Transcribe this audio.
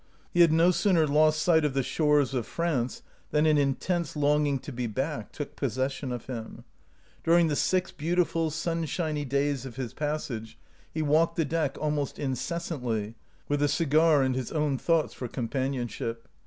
He had no sooner lost sight of the shores of France than an intense longing to be back took possession of him. During the six beautiful, sunshiny days of 203 OUT OF BOHEMIA his passage he walked the deck almost in cessantly, with a cigar and his own thoughts for companionship.